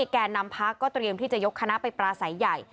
แก่นำพักก็เตรียมที่จะยกคณะไปปราศัยใหญ่